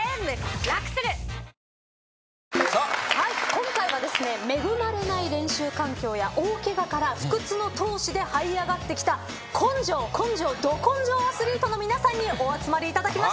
今回は恵まれない練習環境や大ケガから不屈の闘志ではい上がってきた根性根性ど根性アスリートの皆さんにお集まりいただきました。